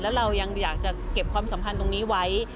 แล้วเรายังอยากจะเก็บความสัมพันธ์ตรงนี้ไว้